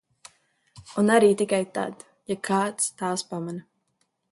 Un arī tikai tad, ja kāds tās pamana.